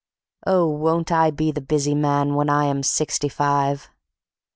... Oh, won't I be the busy man when I am Sixty five.